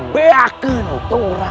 biarkan untuk orang orang